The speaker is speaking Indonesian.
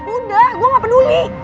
sudaha gue ga peduli